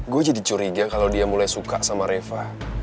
gue jadi curiga kalau dia mulai suka sama reva